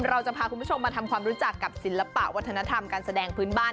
เราจะพาคุณผู้ชมมาทำความรู้จักกับศิลปะวัฒนธรรมการแสดงพื้นบ้าน